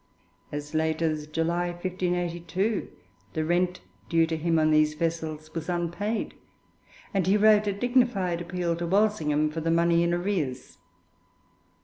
As late as July 1582 the rent due to him on these vessels was unpaid, and he wrote a dignified appeal to Walsingham for the money in arrears.